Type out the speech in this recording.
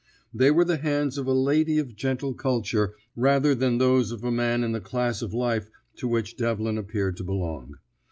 They were the hands of a lady of gentle culture rather than those of a man in the class of life to which Devlin appeared to belong.